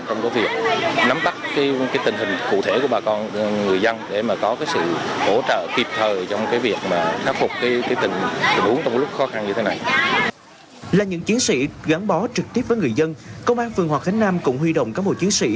trong việc ứng phó trực tiếp với người dân công an phường hòa khánh nam cũng huy động các bộ chiến sĩ